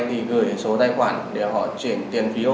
thì gửi số tài khoản để họ chuyển tiền phiếu